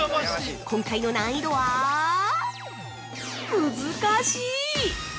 今回の難易度はむずかしい。